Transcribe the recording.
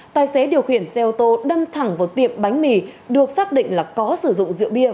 tài xế điều khiển xe ô tô đâm thẳng vào tiệm bánh mì được xác định là có sử dụng rượu bia